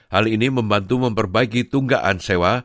hal ini membantu memperbaiki tunggaan sewa